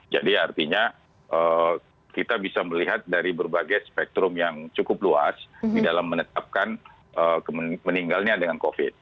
jadi artinya kita bisa melihat dari berbagai spektrum yang cukup luas di dalam menetapkan meninggalnya dengan covid